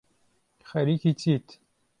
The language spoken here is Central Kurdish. خەریکی چیت